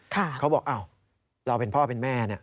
ค่ะแล้วเขาบอกเราเป็นพ่อเป็นแม่